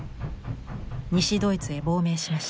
西ドイツへ亡命しました。